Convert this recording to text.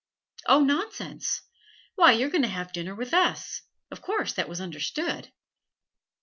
'Oh, nonsense! Why, you're going to have dinner with us; of course that was understood.'